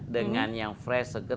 dengan yang fresh seger